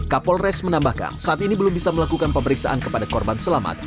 kapolres menambahkan saat ini belum bisa melakukan pemeriksaan kepada korban selamat